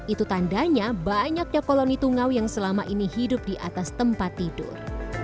itu tandanya banyaknya koloni tungau yang selama ini hidup di atas tempat tidur